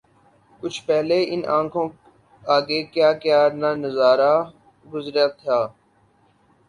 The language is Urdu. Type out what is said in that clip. کچھ پہلے ان آنکھوں آگے کیا کیا نہ نظارا گزرے تھا